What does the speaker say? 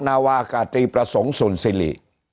นาวาคาตรีประสงค์ศูนย์ซิริ